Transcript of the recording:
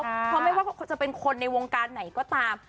เพราะไม่ว่าจะเป็นคนในวงการไหนก็ตาม